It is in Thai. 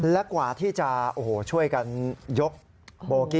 และกว่าที่จะช่วยกันยก